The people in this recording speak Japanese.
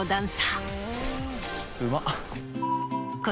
うまっ。